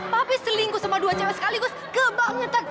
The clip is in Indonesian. tapi selingkuh sama dua cewek sekaligus kebangetan